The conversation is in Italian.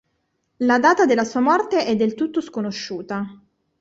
La data della sua morte è del tutto sconosciuta.